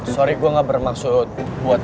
sorry gue gak bermaksud buat